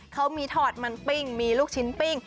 เขามีถอดมันปิ้งมีลูกชิ้นปิ้ง